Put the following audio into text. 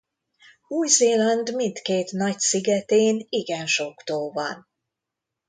Új-Zéland mindkét nagy szigetén igen sok tó van.